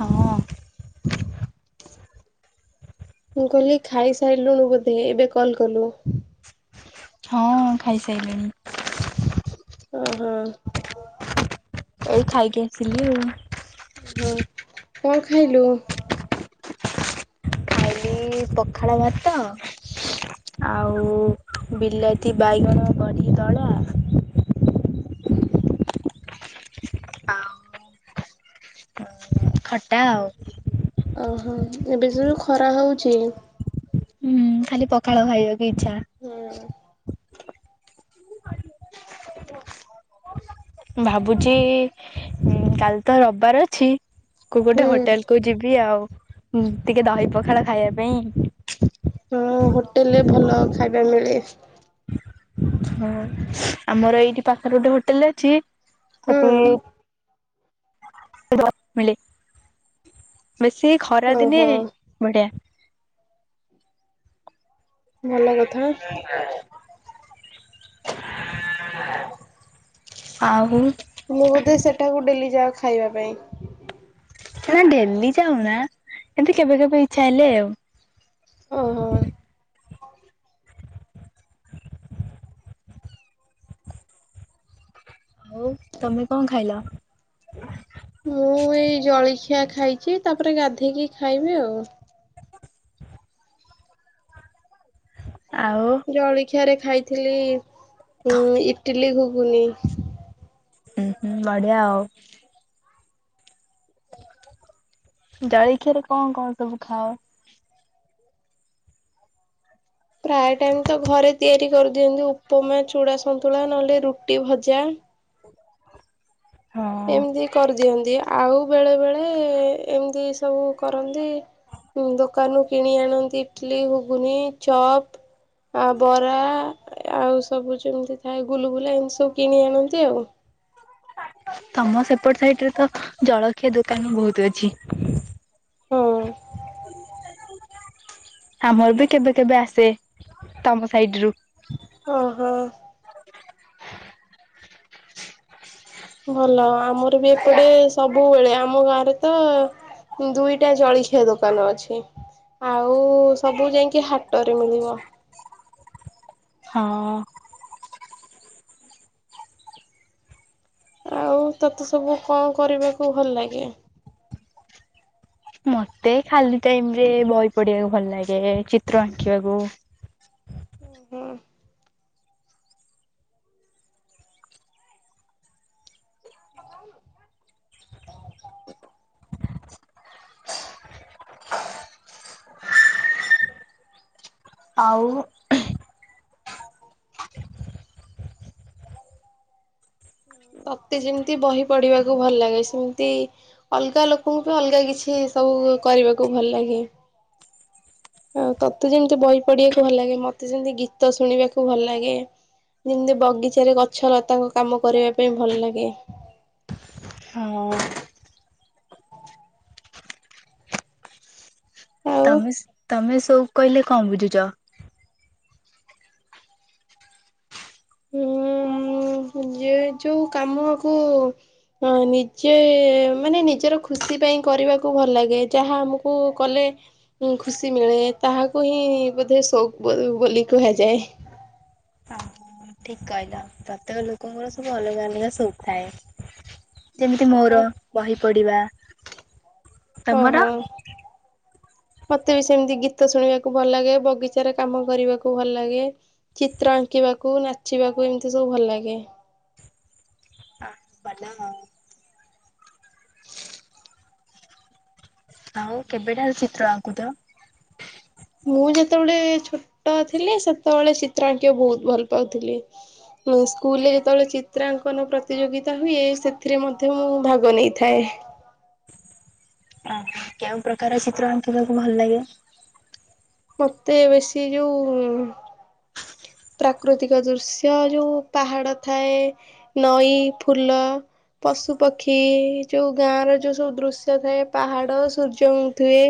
ହଁ। [inaudible] ହ ମୁଁ କହିଲି ଖାଇ ସାରିଲୁଣିୁ ବୋଧେ ଏବେ କଲ୍ କଲୁ? ହଁ ଖାଇସାରିଲଣି। [inaudible] ଉଁ ହୁଁ। ଏଇ ଖାଇକିଆସିଲି ଆଉ। ହୁଁ କଣ ଖାଇଲୁ? [inaudible] ପଖାଳ ଭାତ ଆଉ ବିଲାତି ବାଇଗଣ ଉଁ ଦଳା ଆଉ ଖଟା ଆଉ। ଓହୋ ଏବେ ସବୁ ଖରା ହୋଉଛି ହୁଁ ଖାଲି ପଖାଳ ଖାଇବାକୁ ଇଚ୍ଛା। [inaudible] ଭାବୁଛି କାଲି ତ ରବିବାର ଅଛି କୁ ଗୋଟେ ହୁଁ ହୋଟେଲ କୁ ଯିବି ଆଉ ଟିକେ ଦହି ପଖାଳ ଖାଇବା ପାଇଁ ହୁଁ ହୋଟେଲରେ ଭଲ ଖାଇବା ମିଳେ। ହୁଁ ଆମର ଏଇଠି ପାଖରେ ଗୋଟେ ହୋଟେଲ ଅଛି ହୁଁ ସେଠି [inaudible] ମିଳେ। [inaudible] ବେଶୀ ଖରା ଦିନେ ଓହୋ ବଢିଆ ଭଲ କଥା। [inaudible] ଆଉ ମୁଁ ବୋଧେ ସେଠାକୁ ଡେଲି ଯାଅ ଖାଇବା ପାଇଁ। ନା ଡେଲି ଯାଉନା ଏତି କେବେ କେବେ ଇଚ୍ଛା ହେଲେ ଆଉ। ଓହୋ। ଆଉ ତମେ କଣ ଖାଇଲ? ମୁଁ ଏଇ ଜଳଖିଆ ଖାଇଚି ତାପରେ ଗାଧେଇକି ଖାଇବି ଆଉ। ଆଉ ଜଳଖିଆରେ ଖାଇଥିଲି ଉ ଇଟିଲି ଗୁଗୁନି। ହଁ ହୁଁ ବଢିଆ ଆଉ। ଜଳିଖିଆରେ କଣ କଣ ସବୁ ଖାଅ? ପ୍ରାୟ ଟାଇମ ତ ଘରେ ତିଆରି କରିଦିଅନ୍ତି ଉପମା ଚୁଡା। ସନ୍ତୁଳା ନ ହେଲେ ରୁଟି ଭଜା। ହଁ ଏମିତି କରିଦିଅନ୍ତି ଆଉ ବେଳେ ବେଳେ ଏମିତି ସବୁ କରନ୍ତି। ଦୋକାନରୁ କିଣି ଆଣନ୍ତି ଇଟଲିି ଗୁଗୁନୀ ଚପ୍। ଆଉ ବରା ଆଉ ସବୁ ଯେମିତି ଥାଏ ଗୁଲଗୁଲା ଏ ସବୁ କିଣି ଆଣନ୍ତି ଆଉ। ତମ ସେପଟ ସାଇଟରେ ତ ଜଳଖିଆ ଦୋକାନ ହ ବହୁତ ଅଛି। ହଁ। ଆମର ବି କେବେ କେବେ ଆସେ ତମ ସାଇଡରୁ। ଓ ହୋ। ଭଲ ଆମର ବି ଏପଟେ ସବୁ ବୁବେଳେ ଆମ ଗାଁରେ ତ ଦୁଇଟା ଜଳଖିଆ ଦୋକାନ ଅଛି। ଆଉ ସବୁ ଯାଇକି ହାଟରେ ମିଳିବ। ହଁ। ଆଉ ତୋତେ ସବୁ କଣ କରିବାକୁ ଭଲ ଲାଗେ? ମତେ ଖାଲି ଟାଇମରେ ବହି ପଢିବାକୁ ଭଲ ଲାଗେ ଚିତ୍ର ଆଙ୍କିବାକୁ ଓ ହୋ। [inaudible] ଆଉ [inaudible] ତତେ ଯେମିତି ବହି ପଢିବାକୁ ଭଲ ଲାଗେ ସେମିତି ଅଲଗା ଲୋକଙ୍କୁ ବି ଅଲଗା କିଛି ସବୁ କରିବାକୁ ଭଲ ଲାଗେ। [inaudible] ଆଉ ତତେ ଯେମିତି ବହି ପଢିବାକୁ ଭଲ ଲାଗେ ମତେ ଯେମତି ଗୀତ ଶୁଣିବାକୁ ଭଲ ଲାଗେ। ଯେମିତି ବଗିଚାରେ ଗଛ ଲତାଙ୍କ କାମ କରିବା ପାଇଁ ଭଲ ଲାଗେ। ହଉ। ଆଉ ତମେ ତମେ ସବୁ କହିଲେ କଣ ବୁଝୁଚ? ହୁଁ। ଯେ ଯୋଉ କାମ ଆକୁ ଅ ନିଜେ ମାନେ ନିଜର ଖୁସି ପାଇଁ କ ରିବାକୁ ଭଲ ଲାଗେ, ଯାହା ଆମକୁ କଲେ ଖୁସି ମିଳେ, ତାହାକୁ ହିଁ ବୋଧେ ସ ସୋକ ବୋଲି କୁହାଯାଏ। ହଁ ହଁ। ଠିକ କହିଲ ପ୍ରତ୍ୟେକ ଲୋକଙ୍କର ସବୁ ଅଲଗା ଅଲଗା ସଉକ ଥାଏ। ଯେମିତି ହ ମୋର ବହି ପଢିବା। ତମର? ଓହୋ। ମତେ ବି ସେମିତି ଗୀତ ଶୁଣିବାକୁ ଭଲ ଲାଗେ, ବଗିଚାରେ କାମ କରିବାକୁ ଭଲ ଲାଗେ ଚିତ୍ର ଆଙ୍କି ବାକୁ ନାଚିବାକୁ ଏମିତି ସବୁ ଭଲ ଲାଗେ। ଆ ଭଲ ଆଉ। ଆଉ କେବେଟାରୁ ଚିତ୍ର ଆଙ୍କୁଚ? ମୁଁ ଯେତେବେଳେ ଛୋଟ ଥିଲି, ସେତେବେଳେ ଚିତ୍ର ଆଙ୍କିବାକୁ ବହୁତ ଭଲ ପାଉଥିଲି। ଉଁ ସ୍କୁଲରେ ଯେତେବେଳେ ଚିତ୍ରାଙ୍କନ ପ୍ରତିଯୋଗିତା ହୁଏ, ସେଥିରେ ମଧ୍ୟ ମୁଁ ଭାଗ ନେଇଥାଏ। [inaudible] ଓ ହୋ କେଉଁ ପ୍ରକାର ଚିତ୍ର ଆଙ୍କିବାକୁ ଭଲ ଲାଗେ? ମତେ ବେଶୀ ଯୋଉ ଁ [inaudible] ପ୍ରାକୃତିକ ଦୃଶ୍ୟ ଯୋଉ ପାହାଡ଼ ଥାଏ ନଈ ଫୁଲ ପଶୁ ପକ୍ଷୀ ଯୋଉ ଗାଁ ର ଯୋଉ ସବୁ ଦୃଶ୍ୟ ଥାଏ ପାହାଡ ସୂର୍ଯ୍ୟ ଥିବେ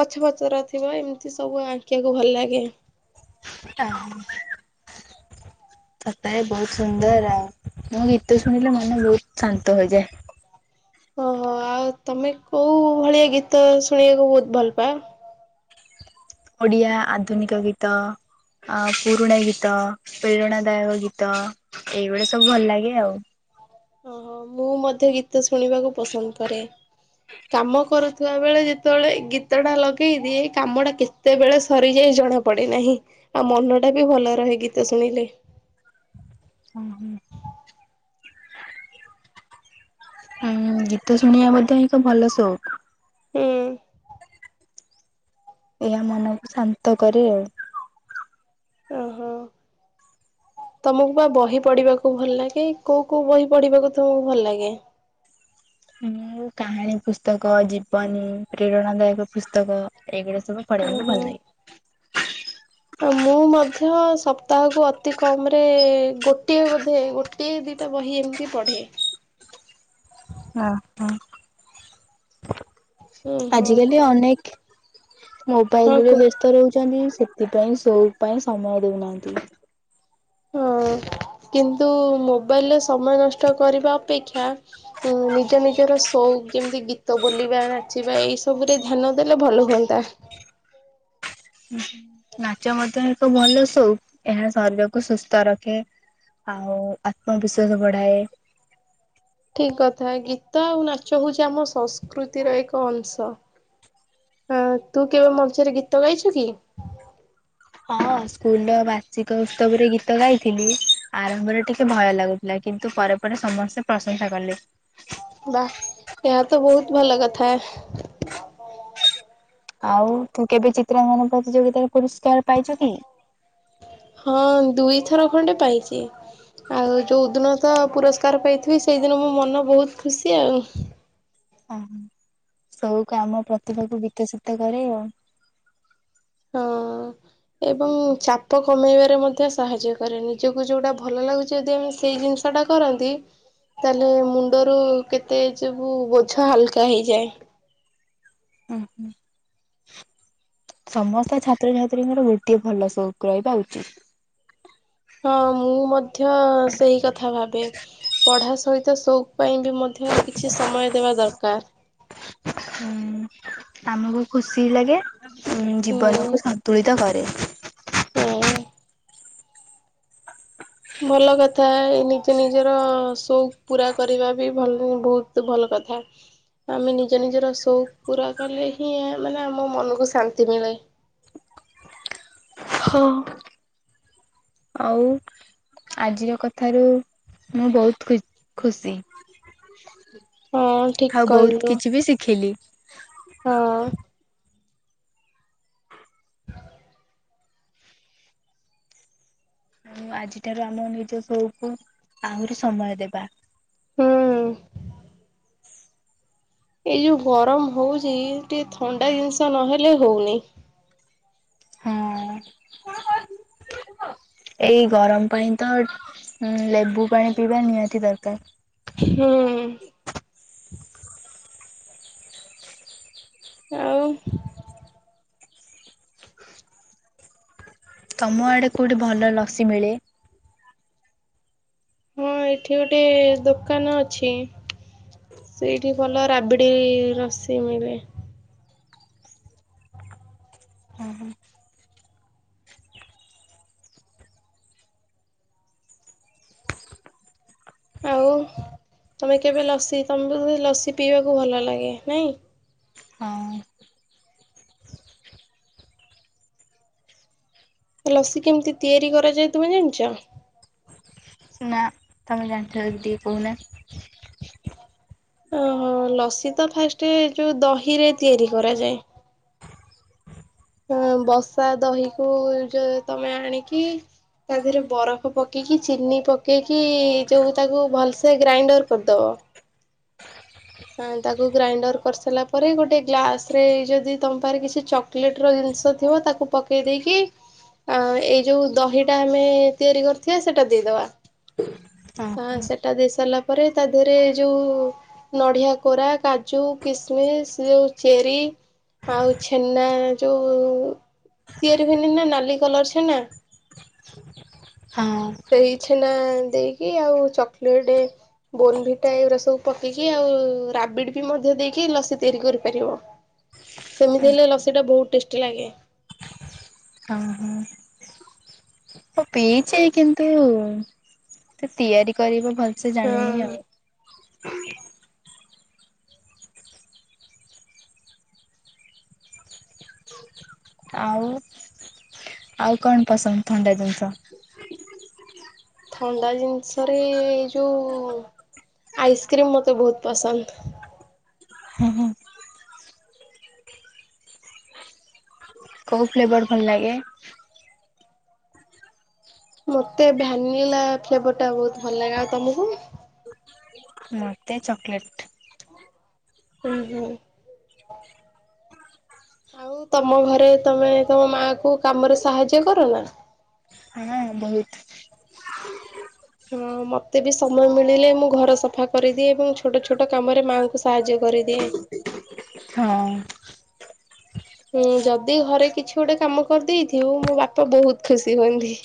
ଗଛ ପତର ଥିବ ଏମିତି ସବୁ ଆଙ୍କିଆକୁ ଭଲ ଲାଗେ। ସପରେ ବହୁତ ସୁନ୍ଦର ଆଉ ମୁୋ ଗୀତ ଶୁଣିଲେ ମନେ ବହୁତ ଶାନ୍ତ ହୋଇଯାଏ। [inaudible] ଓହୋ ଆଉ ତମେ କୋଉ ଭଳିଆ ଗୀତ ଶୁଣିବାକୁ ବହୁତ ଭଲ ପା ଓଡ଼ିଆ ଆଧୁନିକ ଗୀତ। ଅ ପୁରୁଣା ଗୀତ ପ୍ରେରଣାଦାୟକ ଗୀତ ଏଇଗୁଡା ସବୁ ଭଲ ଲାଗେ ଆଉ। ଓହୋ ମୁଁ ମଧ୍ୟ ଗୀତ ଶୁଣିବାକୁ ପସନ୍ଦ କରେ କାମ କରୁଥିବା ବେଳେ ଯେତେବେଳେ ଗୀତ ଟା ଲଗେଇ ଦିଏ କାମ ଟା କେତେବେଳେ ସରିଯାଏ ଜଣା ପଡେ ନାହିଁ ଆଉ ମନ ଟା ବି ଭଲ ରହେ ଗୀତ ଶୁଣିଲେ। ଓୁ ହୁଁ। ଗୀତ ଶୁଣିବା ବ ଏକ ଭଲ ସଉକ୍ ହୁଁ। ଏହା ମନକୁ ଶାନ୍ତ କରେ ଆଉ। ଓହୋ। [inaudible] ତମକୁ ବା ବହି ପଢିବାକୁ ଭଲ ଲାଗେ। କୋଉ କୋଉ ବହି ପଢିବାକୁ ତମକୁ ଭଲ ଲାଗେ? ହଁ କାହାଣୀ ପୁସ୍ତକ ଜୀବନୀ ପ୍ରେରଣା ଦାୟକ ପୁସ୍ତକ ଏଇଗୁଡା। ସ ପଡେଇୁ ଓହୋ। ଭଲ ଲାଗେ। ମୁଁ ମଧ୍ୟ ସପ୍ତାହକୁ ଅତି କମ ରେ ଗୋଟିଏ ବୋଧେ ଗୋଟିଏ ଦିନ ଟା ବହି ଏମିତି ପଢ଼େ [inaudible] ହଁ ହଁ ଓହୋ ଆଜିକାଲି ଅନେକ୍ ହଁ ମୋବାଇଲରେ କୁହ। ବ୍ୟସ୍ତ ରହୁଛନ୍ତି ସେଥିପାଇଁ ସବ ପାଇଁ ସମୟ ଦଉନାହାନ୍ତି। ହଁ [inaudible] କିନ୍ତୁ ମୋବାଇଲରେ ସମୟ ନଷ୍ଟ କରିବା ଅପେକ୍ଷା ନିଜ ନିଜର। ସଉୁ ଯେମିତି ଗୀତ ବୋଲିବା ନାଚିବା ଏଇ ସବୁ ରେ ଧ୍ୟାନ ଦେଲେ ଭଲ ହୁଅନ୍ତା। [inaudible] ନାଚ ମଧ୍ୟ ଏକ ଭଲ ସଉକ ଏହା ଶରୀରକୁ ସୁସ୍ଥ ରଖେ ଆଉ ଆତ୍ମବିଶ୍ଵାସ ବଢାଏ। ଠିକ କଥା ଗୀତ ଆଉ ନାଚ ହଉଛି ଆମ ସଂସ୍କୃତିର ଏକ ଅଂଶ। ହଁ ତୁ କେବେ ମଞ୍ଚରେ ଗୀତ ଗାଇଛୁ କି? ହଁ ସ୍କୁଲ ର ବାର୍ଷିକ ଉତ୍ସବ ରେ ଗୀତ ଗାଇଥିଲି ଆରମ୍ଭରେ ଟିକେ ଭୟ ଲାଗୁଥିଲା କିନ୍ତୁ ପରେ ପରେ ସମସ୍ତେ ପ୍ରଶଂସା କଲେ। ବା ଏହା ତ ବହୁତ ଭଲ କଥା। ଆଉ ତୁ କେବେ ଚିତ୍ରଅଙ୍କନ ପ୍ରତିଯୋଗିତାରେ ପୁରସ୍କାର ପାଇଛୁ କି? ହଁ ଦୁଇଥର ଖଣ୍ଡେ ପାଇଛି। ଆଉ ଯୋଉ ଦିନ ତ ପୁରସ୍କାର ପାଇଥିବି ସେଇଦିନ ମୋ ମନ ବହୁତ ଖୁସି ଆଉ। ଅ ସବୁ କାମ ପ୍ରତିଭାକୁ ବିତଶୀତ କରେ ଆଉ। ହଁ। ଏବଂ ଚାପ କମେଇବାରେ ମଧ୍ୟ ସାହାଯ୍ୟ କରେ ନିଜକୁ ଯୋଉଟା ଭଲ ଲାଗୁଛି ଯଦି ଆମେ ସେଇ ଜିନିଷ ଟା କରନ୍ତି। ତାହେଲେ ମୁଣ୍ଡରୁ କେତେ ଜୋବୁ ବୋଝ ହାଲକା ହେଇଯାଏ। ଓ ହୋ। [inaudible] ସମସ୍ତ ଛାତ୍ରଛାତ୍ରୀଙ୍କର ଗୋଟିଏ ଭଲ ସୋଉକ ରହିବା ଉଚିତ। ହଁ ମୁଁ ମଧ୍ୟ ସେଇ କଥା ଭାବେ ପଢ଼ା ସହିତ ସୋଉକି ପାଇଁ ବି ମ ହୁଁ କିଛି ସମୟ ଦେବା ଦରକାର୍। ହ [unintelligible] ହୁଁ ଆମକୁ ଖୁସି ଲାଗେ ଉ ହୁଁ ଜୀବନକୁ ସନ୍ତୁଳିତ କରେ। ହୁଁ [unintelligible] ଭଲ କଥା ନିଜ ନିଜର ସଉକ ପୁରା କରିବା ବି ଭଲ ବହୁତ ଭଲ କଥା। କଥା। ଆମେ ନିଜ ନିଜର ସଉକ ପୁରା କଲେ ହିଁ ମାନେ ଆମ ମନକୁ ଶାନ୍ତି ମିଳେ। [unintelligible] ହଁ। ଆଉ ଆଜିର କଥାରୁ ମୁଁ ବହୁତ ଖୁ ଖୁସି। ହଁ ଠିକ ଆଉ କହିଲୁ ବହୁତ କିଛି ବି ଶିଖିଲି। ହଁ। ଆଉ ଆଜିଠାରୁ ଆମ ନିଜ ସୋଉକ କୁ ଆହୁରି ସମୟ ଦେବା। ହୁଁ। ଏଇ ଯୋଉ ଗରମ ହଉଛି ଟିକେ ଥଣ୍ଡା ଜିନିଷ ନହେଲେ ହୋଉନେଇଁ। ହଁ [inaudible] ଏଇ ଗରମ ପାଇଁ ତ ଉଁ ଲେମ୍ବୁ ପାଣି ପିଇବା ନିହାତି ଦରକାର। ହୁଁ। ଆଉ। ତମ ଆଡେ କୋଉଠି ଭଲ ଲସି ମିଳେ? ହଁ ଏଠି ଗୋଟେ ଦୋକାନ ଅଛି। ସେଇଠି ଭଲ ରାବିଡି ରସି ମିଳେ। ଆଉ। ତମେ କେବେ ଲସି ତମକୁ ବୋଧେ ଲସି ପିଇବାକୁ ଭଲ ଲାଗେ ନାଇଁ? ହଁ ଲସି କେମିତି ତିଆରି କରାଯାଏ ତୁମେ ଜାଣିଛ? ନା ତମେ ଜାଣିଛ ଯଦି କଉନା। ଓହୋ ଲସି ତ ଫାଷ୍ଟେ ଯୋଉ ଦହିରେ ତିଆରି କରାଯାଏ। ହ ବସା ଦହି କୁ ଯଉ ତମେ ଆଣିକି? ତା ଦେହରେ ବରଫ ପକେଇକି ଚିନି ପକେଇକି ଯୋଉ ତାକୁ ଭଲସେ ଗ୍ରାଇଣ୍ଡର କରିଦବ। ହ [inaudible] ହଁ ତାକୁ ଗ୍ରାଇଣ୍ଡର କରିସାରିଲା ପରେ ଗୋଟେ ଗ୍ଲାସ ରେ ଯଦି ତମ ପାଖରେ କିଛି ଚକୋଲେଟ ର ଜିନିଷ ଥିବ ତାକୁ ପକେଇ ଦେଇକି? ଆ ଏଇ ଯୋଉ ଦହିଟା ଆମେ ତିଆରି କରିଥିବା ସେଇଟା ଦେଇଦବା। ହଁ ଓହୋ ସେଟା ଦେଇ ସାରିଲା ପରେ ତା ଦେହରେ ଯୋଉ ନଡ଼ିଆ କୋରା କାଜୁ କିସମିସ ଯୋଉ ଚେରି। ଆଉ ଛେନା ଯୋଉ ତିଆରି ହୁଏନି ନା ନାଲି କଲର ଛେନା। ସେଇ ଛେନା ଦେଇକି ଆଉ ଚକୋଲେଟ ବୋନ ଭିଟା ଏଗୁଡା ସବୁ ପକେଇକି ଆଉ। ତାକୁ ରାବିଡ ବି ମଧ୍ୟ ଦେଇକି ଲସି ତିଆରି କରିପାରିବ। ହଁ। ସେମିତି ହେଲେ ଲସି ଟା ବହୁତ ଟେଷ୍ଟି ଲାଗେ। ହଁ ହଁ। ହଁ ପିଇଛିେ କିନ୍ତୁ ତ ତିଆରି କରିଵା। ଭଲସେ ଜାଣିନି ହଁ ଆଉ। ଆଉ ଆଉ କଣ ପସନ୍ଦ ଥଣ୍ଡା ଜିନିଷ? ଥଣ୍ଡା ଜିନିଷରେ ଯୋଉ ଆଇସ୍କ୍ରିମ୍ ମତେ ବହୁତ ପସନ୍ଦ। ହୁଁ ହୁଁ କଉ ଫ୍ଲେବର ଭଲ ଲାଗେ? ମତେ ଭାନିଲା ଫ୍ଲେର ଟା ବହୁତ ଭଲ ଲାଗା ଆଉ ତମକୁ? ମୋତେ ଚକୋଲେଟ୍। ହୁଁ ହୁଁ। ଆଉ ତମ ଘରେ ତମେ ତମ ମା କୁ କାମରେ ସାହାଯ୍ୟ କର ନା? ହଁ। ବହୁତ ହଁ ମତେ ବି ସମୟ ମିଳିଲେ ମୁଁ ଘର ସଫା କରିଦିଏ ଏବଂ ଛୋଟ ଛୋଟ କାମରେ ମାଆଙ୍କୁ ସାହାଯ୍ୟ କରିଦିଏ। ହଁ। ହୁଁ ଯଦି ଘରେ କିଛି ଗୋଟେ କାମ କରିଦେଇଥିବୁ ମୋ ବାପା ବହୁତ ଖୁସି ହୁଅନ୍ତି।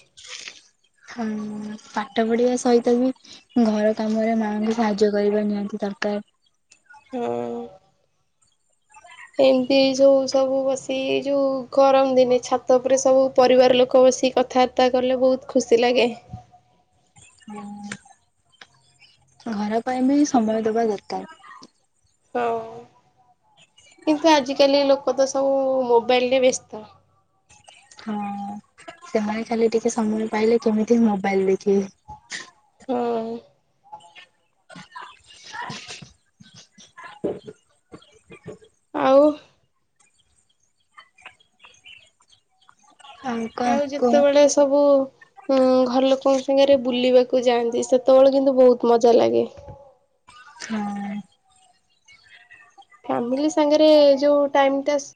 ହଁ। ପାଠ ପଢିବା ସହିତ ବି ଘର କାମରେ ମାଙ୍କୁ ସାହାଯ୍ୟ କରିବା ନିହାତି ଦରକାର। ହଁ। ଏମତି ଯୋଉ ସବୁ ବସି ଯୋଉ ଗରମ ଦିନେ ଛାତ ଉପରେ ସବୁ ପରିବାର ଲୋକ ବସି କଥାବାର୍ତ୍ତା କଲେ ବହୁତ ଖୁସି ଲାଗେ। [unintelligible] ଘର ପାଇଁ ବି ସମୟ ଦେବା ଦରକାର। ହଁ। କିନ୍ତୁ ଆଜିକାଲି ଲୋକ ତ ସବୁ ମୋବାଇଲରେ ବ୍ୟସ୍ତ। ହଁ ସେମାନେ ଖାଲି ଟିକେ ସମୟ ପାଇଲେ କେମିତି ମୋବାଇଲ ଦେଖିବେ। ହଁ। ଆଉ କଣ ଆଉ କୁହ ଯେତେବେଳେ ସବୁ ଉୁଁ ଘର ଲୋକଙ୍କ ସାଙ୍ଗରେ ବୁଲିବାକୁ ଯାଆନ୍ତି ସେତେବେଳେ କିନ୍ତୁ ବହୁତ ମଜା ଲାଗେ। [unintelligible] ହଁ। ଫାମିଲି ସାଙ୍ଗରେ ଯୋଉ ଟାଇମ ଟା